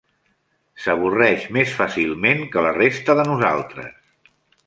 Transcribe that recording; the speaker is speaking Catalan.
S'avorreix més fàcilment que la resta de nosaltres.